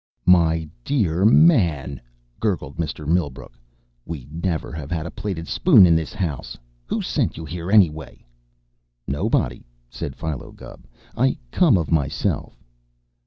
"My dear man," gurgled Mr. Millbrook, "we never have had a plated spoon in this house! Who sent you here, anyway?" "Nobody," said Philo Gubb. "I come of myself."